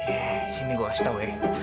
eh ini gua kasih tau ee